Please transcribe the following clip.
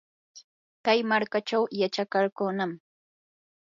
kay markachaw yachakarqunam.